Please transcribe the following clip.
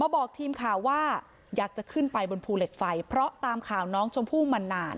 บอกทีมข่าวว่าอยากจะขึ้นไปบนภูเหล็กไฟเพราะตามข่าวน้องชมพู่มานาน